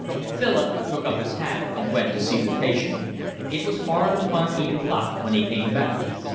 Philip took up his hat and went to see the patient. It was hard upon eight o'clock when he came back.